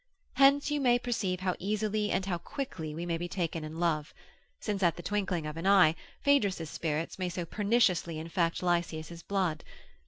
Hence you may perceive how easily and how quickly we may be taken in love; since at the twinkling of an eye, Phaedrus' spirits may so perniciously infect Lycias' blood.